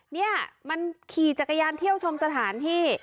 นี่มันขี่จักรยานเที่ยวชมสถานที่